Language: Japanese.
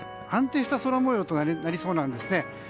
安定した空模様となりそうなんですね。